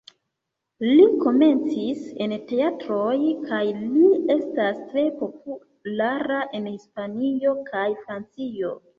Li komencis en teatroj, kaj li estas tre populara en Hispanio kaj Francio.